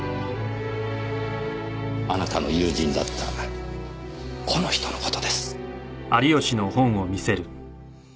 あなたの友人だったこの人のことです。